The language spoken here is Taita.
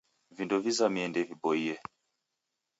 Vindo vizamie ndeviboie